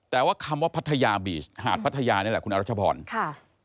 แต่ว่าคำว่าพัทยาบีชหาดพัทยานี่แหละคุณอรัชพรค่ะ